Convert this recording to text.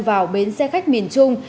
vào bến xe khách miền trung